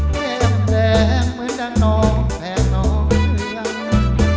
แก็ดแดงเหมือนดังนองแพงนองเหลือง